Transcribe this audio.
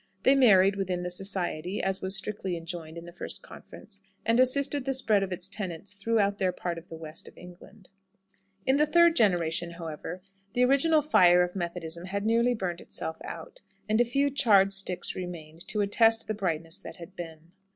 They married within the "society" (as was strictly enjoined at the first conference), and assisted the spread of its tenets throughout their part of the West of England. In the third generation, however, the original fire of Methodism had nearly burnt itself out, and a few charred sticks remained to attest the brightness that had been.